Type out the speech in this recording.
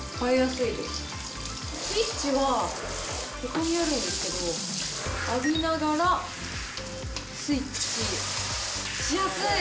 スイッチはここにあるんですけど、浴びながら、スイッチしやすい。